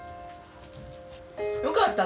よかった。